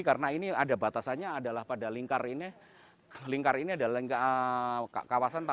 karena ini ada batasannya adalah pada lingkar ini lingkar ini adalah kawasan taman nasional gitu